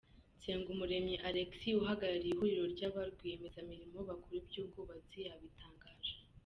Nsengumuremyi Alexis, uhagarariye ihuriro rya ba rwiyemezamirimo bakora iby’ubwubatsi yabitangaje.